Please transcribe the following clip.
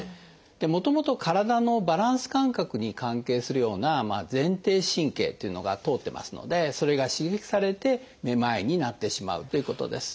もともと体のバランス感覚に関係するような前庭神経というのが通ってますのでそれが刺激されてめまいになってしまうということです。